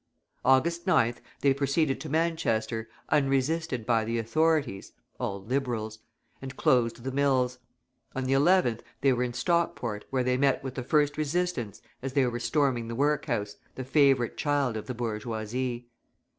August 9th they proceeded to Manchester, unresisted by the authorities (all Liberals), and closed the mills; on the 11th they were in Stockport, where they met with the first resistance as they were storming the workhouse, the favourite child of the bourgeoisie.